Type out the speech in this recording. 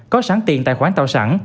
có sáng tiền tài khoản tạo sẵn